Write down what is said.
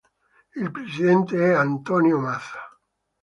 Il presidente è Antonio Maza.